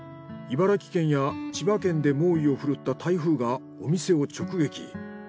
茨城県や千葉県で猛威をふるった台風がお店を直撃。